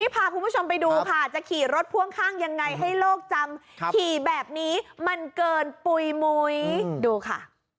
พาคุณผู้ชมไปดูค่ะจะขี่รถพ่วงข้างยังไงให้โลกจำขี่แบบนี้มันเกินปุ๋ยมุ้ยดูค่ะ